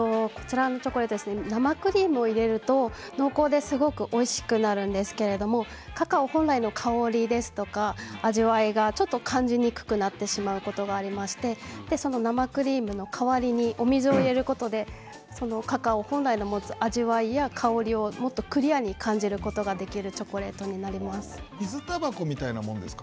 生クリームを入れると濃厚で、すごくおいしくなるんですけれどもカカオ本来の香りですとか味わいが、ちょっと感じにくくなってしまうことがありまして生クリームの代わりにお水を入れることでカカオ本来の持つ味わいや香りをもっとクリアに感じることが水たばこみたいなものですか？